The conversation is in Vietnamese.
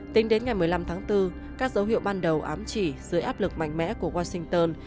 tính đến ngày một mươi năm tháng bốn các dấu hiệu ban đầu ám chỉ dưới áp lực mạnh mẽ của washington